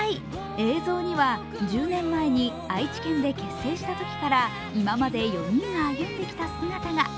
映像には１０年前に愛知県で結成したときから今まで４人が歩んできた姿が。